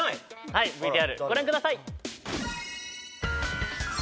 はいＶＴＲご覧ください